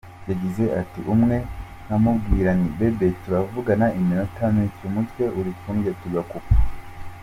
Yagize ati :”Umwe nkamubwira nti Bebe turavugana iminota mike umutwe uri kundya tugakupa.